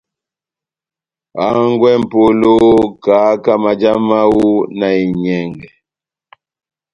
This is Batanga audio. Hangwɛ M'polo, kahaka maja mahu na enyɛngɛ.